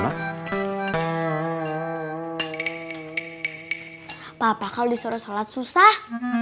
apa apa kalau disuruh sholat susah